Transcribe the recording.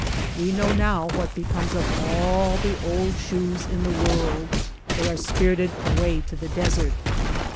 We know now what becomes of all the old shoes in the world; they are spirited away to the desert.